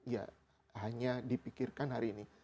ya hanya dipikirkan hari ini